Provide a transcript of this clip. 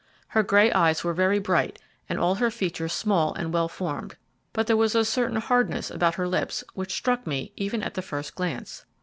Her grey eyes were very bright, and all her features small and well formed, but there was a certain hardness about her lips which struck me even at the first glance.